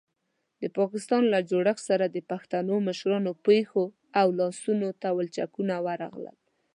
د پاکستان له جوړښت سره د پښتنو مشرانو پښو او لاسونو ته ولچکونه ورغلل.